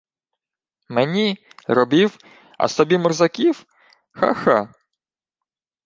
— Мені — робів, а собі морзаків? Ха-ха!